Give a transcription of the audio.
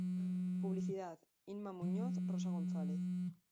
Publicidad: Inma Muñoz, Rosa González.